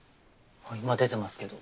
今出てますけど。